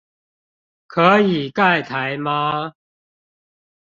可以蓋台嗎